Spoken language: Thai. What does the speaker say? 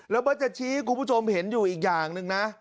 และบ้าจัดชี้คุณผู้ชมเห็นอยู่อีกอย่างนึงนะ